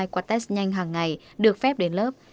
qua test nhanh hàng ngày được phép đến lớp